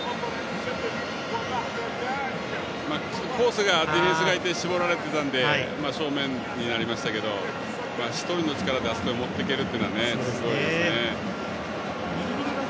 コースがディフェンスがいて絞られていたので正面になりましたけど１人の力であそこへ持っていけるのはすごいですね。